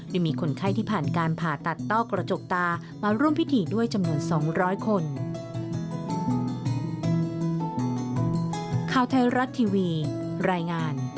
มีคนไข้ที่ผ่านการผ่าตัดต้อกระจกตามาร่วมพิธีด้วยจำนวน๒๐๐คน